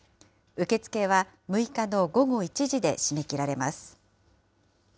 受け付けは６日の午後１時で締め切られます。